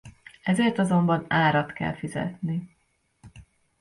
Ezért azonban árat kell fizetni.